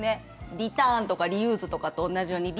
リターンとかリユースと同じように「リ」。